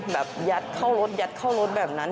แบบยัดเข้ารถยัดเข้ารถแบบนั้น